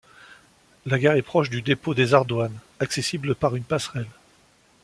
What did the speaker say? La gare est proche du dépôt des Ardoines, accessible par une passerelle.